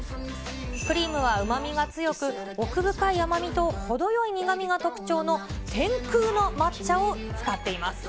クリームはうまみが強く、奥深い甘みと程よい苦みが特徴の、天空の抹茶を使っています。